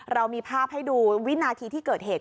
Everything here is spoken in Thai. เรามีภาพให้ดูวินาทีที่เกิดเหตุ